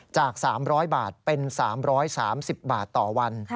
จาก๓๐๐บาทเป็น๓๓๐บาทต่อวัน